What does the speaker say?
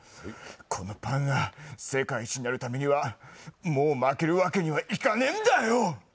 このパンが世界一になるためにはもう負けるわけにはいかねえんだよ。